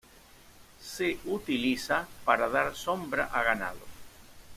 Se utiliza para dar sombra a ganado.